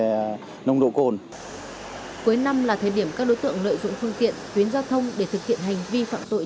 cuối năm cuối năm là thời điểm các đối tượng lợi dụng phương tiện tuyến giao thông để thực hiện hành vi phạm tội